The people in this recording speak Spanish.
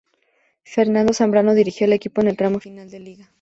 Fernando Zambrano dirigió al equipo en el tramo final de Liga.